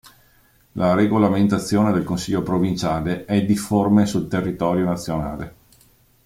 La regolamentazione del consiglio provinciale è difforme sul territorio nazionale.